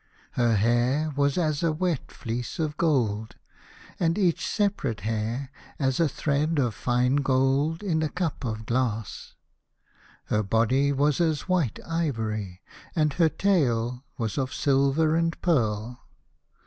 Her hair was as a wet fleece of gold, and each separate hair as a thread of fine gold in a cup of glass. Her body was as white ivory, and her tail was of silver and pearl.